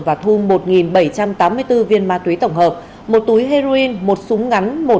và thu một bảy trăm tám mươi đồng